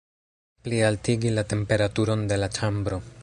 Plialtigi la temperaturon de la ĉambro!